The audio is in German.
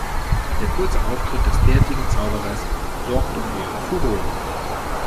Der kurze Auftritt des bärtigen Zauberers sorgte für Furore.